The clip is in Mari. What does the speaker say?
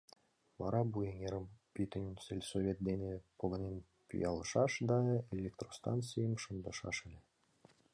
Вара Буй эҥерым пӱтынь сельсовет дене погынен пӱялышаш да электростанцийым шындышаш ыле.